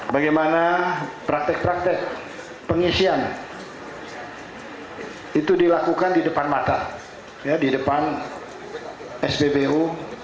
bagaimana praktek praktek pengisian itu dilakukan di depan mata di depan sbbu